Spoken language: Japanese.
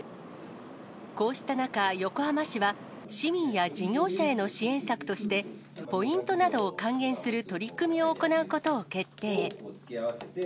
こうした中、横浜市は、市民や事業者への支援策として、ポイントなどを還元する取り組みを行うことを決定。